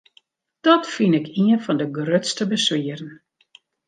Dat fyn ik ien fan de grutste beswieren.